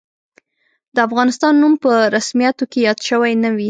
د افغانستان نوم په رسمیاتو کې یاد شوی نه وي.